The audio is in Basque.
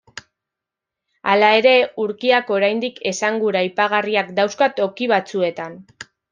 Hala ere, urkiak oraindik esangura aipagarriak dauzka toki batzuetan.